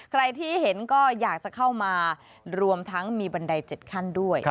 ใครที่เห็นก็อยากจะเข้ามารวมทั้งมีบันได๗ขั้นด้วย